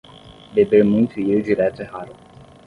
Beber muito e ir direto é raro.